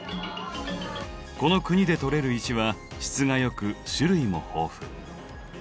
この国で採れる石は質が良く種類も豊富。